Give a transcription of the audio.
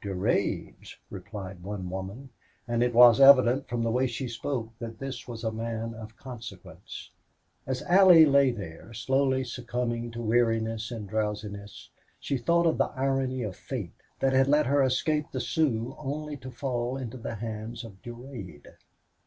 "Durade's," replied one woman, and it was evident from the way she spoke that this was a man of consequence. As Allie lay there, slowly succumbing to weariness and drowsiness, she thought of the irony of fate that had let her escape the Sioux only to fall into the hands of Durade.